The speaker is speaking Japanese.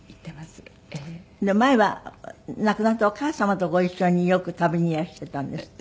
前は亡くなったお母様とご一緒によく旅にいらしてたんですって？